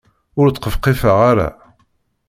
Ur ttqefqifet ara.